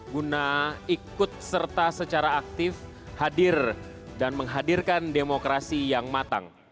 guna ikut serta secara aktif hadir dan menghadirkan demokrasi yang matang